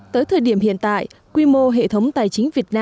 tới thời điểm hiện tại quy mô hệ thống tài chính việt nam